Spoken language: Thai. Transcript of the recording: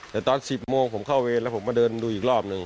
แต่ตอน๑๐โมงผมเข้าเวรแล้วผมมาเดินดูอีกรอบหนึ่ง